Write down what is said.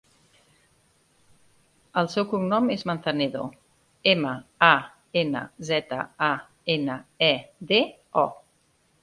El seu cognom és Manzanedo: ema, a, ena, zeta, a, ena, e, de, o.